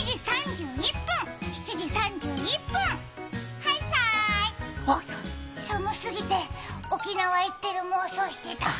はいさーい、寒すぎて沖縄行ってる妄想してた。